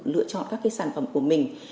lựa chọn các sản phẩm của mình